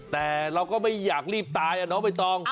แต่เราก็ไม่อยากรีบตายอะเนอะไม่ต้อง